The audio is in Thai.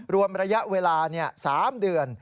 รวมระยะเวลา๓เดือน